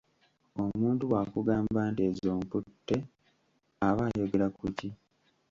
Omuntu bwakugamba nti ezo mputte aba ayogera ku ki?